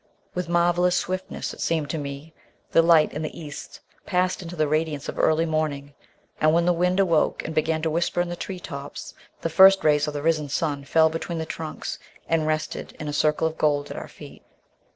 With marvellous swiftness, it seemed to me, the light in the east passed into the radiance of early morning, and when the wind awoke and began to whisper in the tree tops, the first rays of the risen sun fell between the trunks and rested in a circle of gold at our feet.